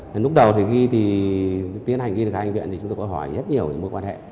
lúc đầu thì ghi thì tiến hành ghi được anh viện thì chúng tôi có hỏi rất nhiều về mối quan hệ